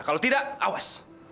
kalau tidak awas